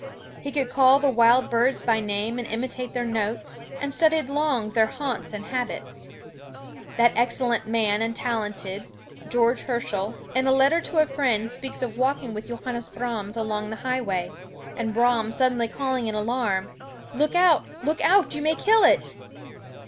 He could call the wild birds by name and imitate their notes, and studied long their haunts and habits. That excellent man and talented, George Herschel, in a letter to a friend speaks of walking with Johannes Brahms along the highway, and Brahms suddenly calling in alarm, "Look out! look out! you may kill it!"